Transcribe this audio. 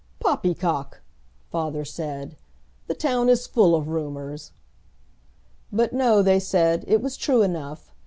"Poppycock," father said, "the town is full of rumors." But, no, they said, it was true enough.